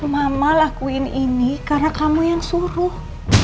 mama lakuin ini karena kamu yang suruh